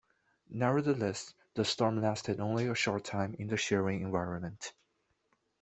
Nevertheless, the storm lasted only a short time in the shearing environment.